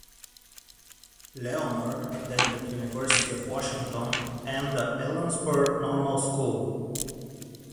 Leonard attended University of Washington and the Ellensburg Normal School.